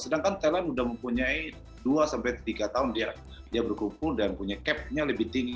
sedangkan thailand sudah mempunyai dua sampai tiga tahun dia berkumpul dan punya capnya lebih tinggi